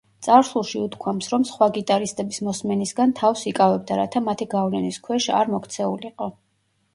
წარსულში უთქვამს, რომ სხვა გიტარისტების მოსმენისგან თავს იკავებდა, რათა მათი გავლენის ქვეშ არ მოქცეულიყო.